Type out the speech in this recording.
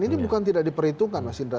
ini bukan tidak diperhitungkan mas indra